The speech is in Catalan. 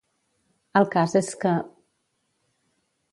El cas és que.